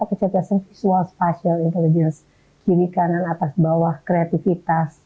kiri kanan atas bawah kreativitas